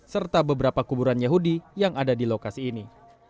serta beberapa kuburan yahudi yang ada di lokasi ini